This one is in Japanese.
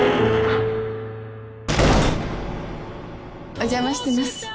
お邪魔してます。